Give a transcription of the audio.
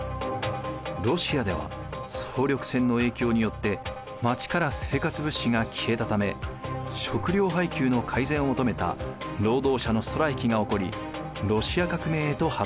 ロシアでは総力戦の影響によって街から生活物資が消えたため食料配給の改善を求めた労働者のストライキが起こりロシア革命へと発展。